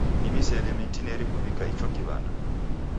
Ni misele mitineri kuvikia icho kiw'anda.